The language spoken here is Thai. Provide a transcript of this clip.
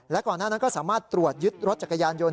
และก่อนหน้านั้นก็สามารถตรวจยึดรถจักรยานยนต